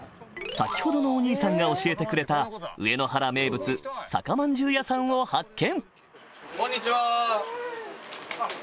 先ほどのお兄さんが教えてくれた上野原名物酒まんじゅう屋さんを発見